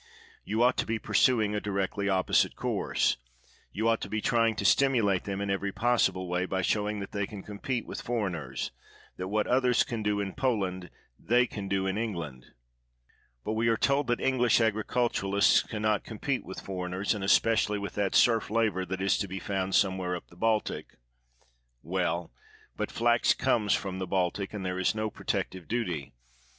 You ought to be pursu ing a directly opposite course — you ought to be trying to stimulate them in every possible way, by showing that they can compete with foreigners; that what others can do in Poland, thej' can do in England. But we are told that English agriculturists can not compete with foreigners, and especially with that serf labor that is to be found some where up the Baltic. Well, but flax comes from the Baltic and there is no protective duty.